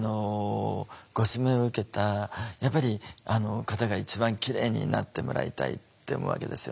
ご指名を受けた方が一番キレイになってもらいたいって思うわけですよね。